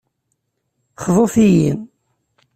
Xḍut-yi!